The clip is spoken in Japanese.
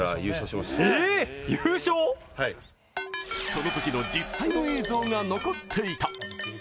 そのときの実際の映像が残っていた。